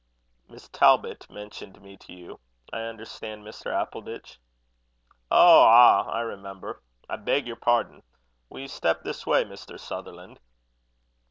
"Miss Talbot mentioned me to you, I understand, Mr. Appleditch." "Oh! ah! I remember. I beg your pardon. Will you step this way, Mr. Sutherland?"